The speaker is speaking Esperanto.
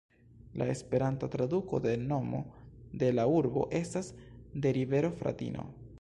La esperanta traduko de nomo de la urbo estas "de rivero "Fratino".